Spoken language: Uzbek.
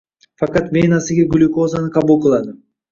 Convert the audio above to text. Faqat venasiga glyukozani qabul qiladi